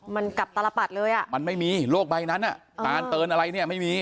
มันกลับตลปัดเลยอ่ะมันไม่มีโรคใบนั้นอ่ะตานเตินอะไรเนี่ยไม่มี